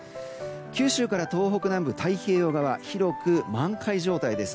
九州から東北南部太平洋側広く満開状態です。